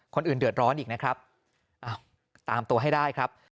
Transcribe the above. คนอื่นเดือดร้อนอีกนะครับตามตัวให้ได้ครับ